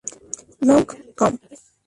Long, com.